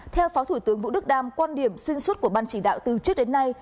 theo phó thủ tướng vũ đức đam quan điểm xuyên suốt của ban chỉ đạo từ trước đến nay